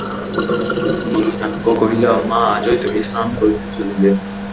নলিনাক্ষ কহিল, মা, আজই তুমি স্নান করিতে চলিলে?